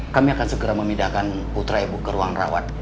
kami akan segera memindahkan putra ibu ke ruang rawat